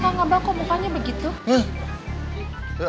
kakak ngabar kok mukanya begitu